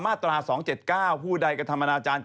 แม้กระทั่งเด็กจะยอม